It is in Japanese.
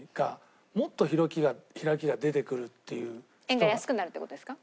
円が安くなるって事ですか？